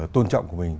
tôn trọng của mình